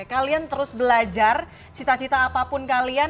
kalian terus belajar cita cita apapun kalian